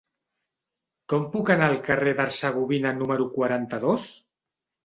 Com puc anar al carrer d'Hercegovina número quaranta-dos?